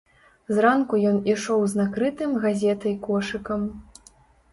Зранку ён ішоў з накрытым газетай кошыкам.